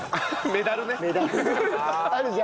メダルね。